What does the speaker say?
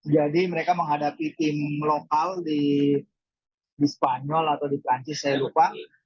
jadi mereka menghadapi tim lokal di spanyol atau di perancis saya lupa